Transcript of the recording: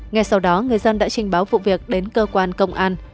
ngay sau đó người dân đã trình báo vụ việc đến cơ quan công an